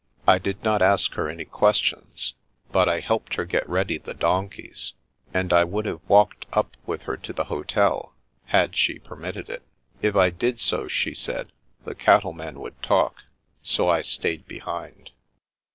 I did not ask her any questions, but I helped her get ready the donkeys, and I would have walked up with her to the hotel, had she permitted it. If I did so, she said, the cattle men would talk ; so I stayed behind."